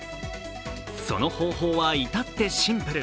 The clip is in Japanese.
その方法は至ってシンプル。